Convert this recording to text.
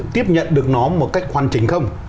tiếp nhận được nó một cách hoàn chỉnh không